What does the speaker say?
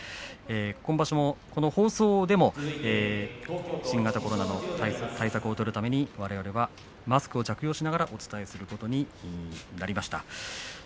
今場所も、この放送でも新型コロナの対策を取るためにわれわれはマスクを着用しながらお伝えすることになりました。